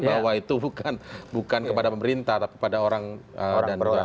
bahwa itu bukan kepada pemerintah tapi kepada orang berorang